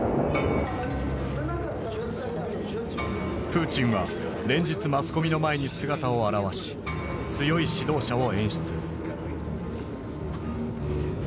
プーチンは連日マスコミの前に姿を現し強い指導者を演出。